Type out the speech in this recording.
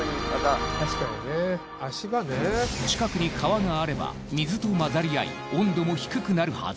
近くに川があれば水と混ざり合い温度も低くなるはず。